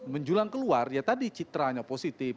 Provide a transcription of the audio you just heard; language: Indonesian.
menjulang keluar ya tadi citranya positif